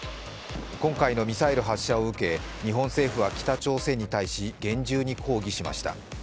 今回のミサイル発射を受け、日本政府は北朝鮮に対し、厳重に抗議しました。